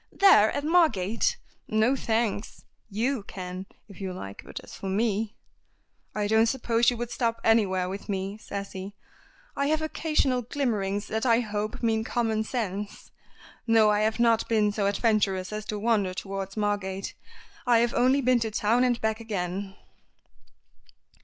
"There! At Margate? No, thanks. You can, if you like, but as for me " "I don't suppose you would stop anywhere with me," says he. "I have occasional glimmerings that I hope mean common sense. No, I have not been so adventurous as to wander towards Margate. I have only been to town and back again."